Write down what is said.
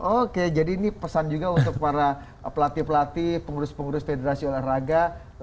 oke jadi ini pesan juga untuk para pelatih pelatih pengurus pengurus federasi olahraga